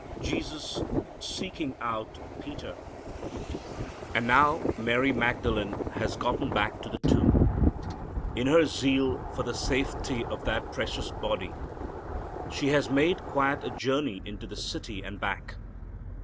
Jesus Seeking Out Peter. And now Mary Magdalene has gotten back to the tomb. In her zeal for the safety of that precious body, she had made quite a journey into the city and back.